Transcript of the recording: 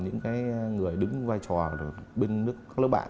những người đứng vai trò bên các lớp bạn